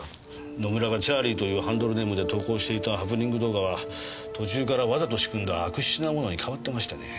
野村が「Ｃｈａｒｌｉｅ」というハンドルネームで投稿していたハプニング動画が途中からわざと仕組んだ悪質なものに変わってましてね。